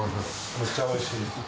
めっちゃおいしい。